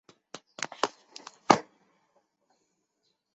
厄斯人口变化图示